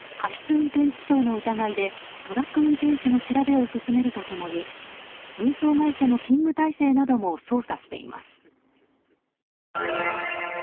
運転致傷の疑いでトラック運転手の調べを進めると共に運送会社の勤務体制なども捜査しています。